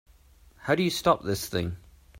How do you stop this thing?